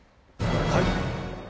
はい。